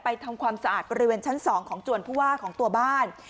ทำความสะอาดบริเวณชั้น๒ของจวนผู้ว่าของตัวบ้าน